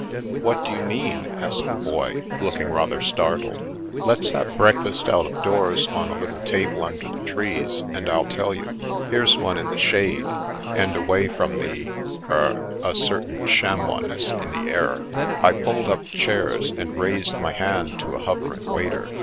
" What do you mean ?" asked the Boy, looking rather startled. 2 1 8 The Princess Passes " Let's have breakfast out of doors on a little table under the trees, and Til tell you. Here's one in the shade, and away from the— er — ql certain chamois ness in the air." I pulled up chairs, and raised my hand to a hovering waiter.